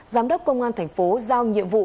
giám đốc công an thành phố giao nhiệm vụ